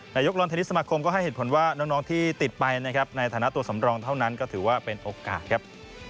นายกลนเทนนิสสมาคมก็ให้เหตุผลว่าน้องที่ติดไปนะครับในฐานะตัวสำรองเท่านั้นก็ถือว่าเป็นโอกาสครับ